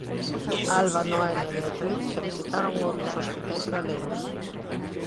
Alba, Noelia e Beatriz xa visitaron outros hospitais galegos.